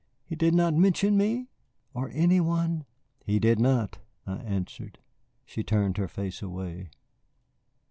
He did not mention me? Or any one?" "He did not," I answered. She turned her face away.